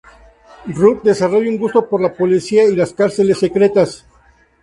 Rud desarrolla un gusto por la policía y las cárceles secretas.